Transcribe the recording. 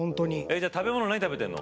じゃあ食べ物何食べてんの？